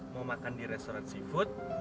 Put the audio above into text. mau makan di restoran seafood